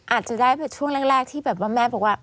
อาจจะได้ช่วงแรกที่แม่บอกว่า